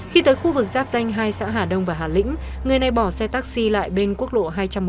khi tới khu vực giáp danh hai xã hà đông và hà lĩnh người này bỏ xe taxi lại bên quốc lộ hai trăm một mươi